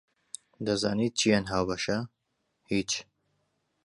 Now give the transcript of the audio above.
دەزانیت چیان هاوبەشە؟ هیچ!